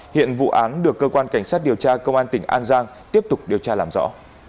hiện vụ án được cơ quan cảnh sát điều tra công an tỉnh an giang tiếp tục điều tra làm rõ